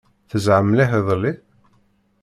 Tezham mliḥ iḍelli?